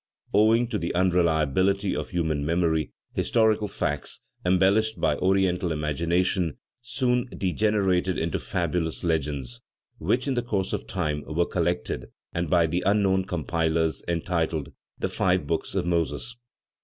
Owing to the unreliability of human memory, historical facts, embellished by Oriental imagination, soon degenerated into fabulous legends, which, in the course of time, were collected, and by the unknown compilers entitled "The Five Books of Moses."